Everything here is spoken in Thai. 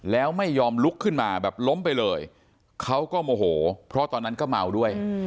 แล้วไม่ยอมลุกขึ้นมาแบบล้มไปเลยเขาก็โมโหเพราะตอนนั้นก็เมาด้วย